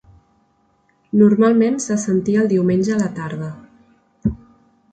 Normalment se sentia el diumenge a la tarda.